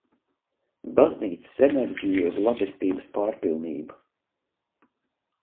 Baznīcas enerģija ir labestības pārpilnība.